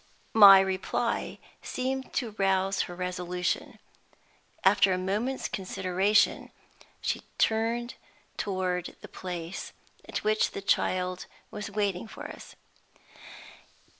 My reply seemed to rouse her resolution. After a moment's consideration, she turned toward the place at which the child was waiting for us.